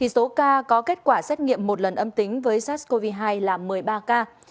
số ca có kết quả xét nghiệm một lần âm tính với sars cov hai là một mươi ba ca